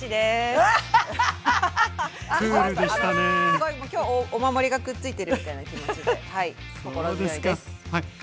すごいもう今日お守りがくっついてるみたいな気持ちで心強いです。